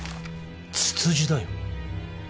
ツツジだよ。